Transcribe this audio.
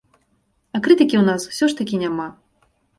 А крытыкі ў нас усё ж такі няма.